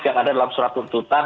yang ada dalam surat tuntutan